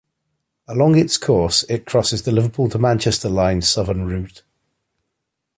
Along its course it crosses the Liverpool to Manchester Line Southern route.